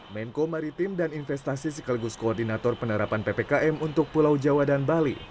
menko maritim dan investasi sekaligus koordinator penerapan ppkm untuk pulau jawa dan bali